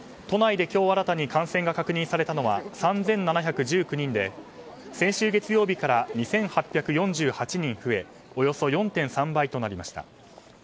都内で今日新たに感染が確認されたのは３７１９人で先週月曜日から２８４８人増えおよそ４．３倍となりました。